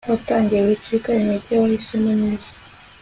watangiye wicika intege, wahisemo neza